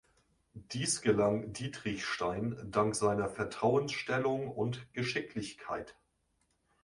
Dies gelang Dietrichstein dank seiner Vertrauensstellung und Geschicklichkeit.